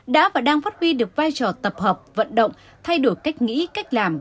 đã và đang phát huy được vai trò tập hợp vận động thay đổi cách nghĩ cách làm